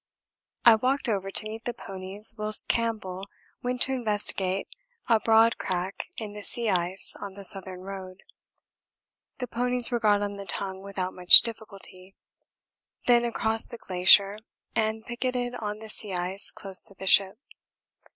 I walked over to meet the ponies whilst Campbell went to investigate a broad crack in the sea ice on the Southern Road. The ponies were got on to the Tongue without much difficulty, then across the glacier, and picketed on the sea ice close to the ship.